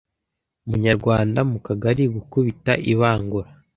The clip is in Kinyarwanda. Munyarwanda mu kagari gukubita ibangura